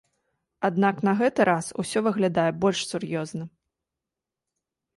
Аднак на гэты раз усё выглядае больш сур'ёзна.